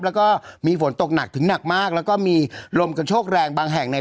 แล้วก็มีฝนตกหนักถึงหนักมากแล้วก็มีลมกระโชกแรงบางแห่งเนี่ย